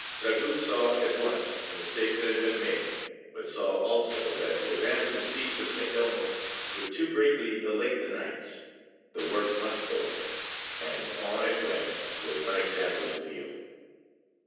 Dragut saw at once the mistake that had been made, but saw also that to abandon the siege of St. Elmo would too greatly elate the Knights: the work must go on; and on it went with unexampled zeal.